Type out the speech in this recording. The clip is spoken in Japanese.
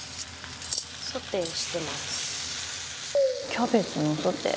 キャベツのソテー。